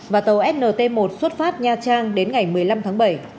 và tàu snt một xuất phát nha trang đến ngày một mươi năm tháng bảy